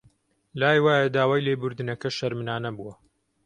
لای وایە داوای لێبوردنەکە شەرمنانە بووە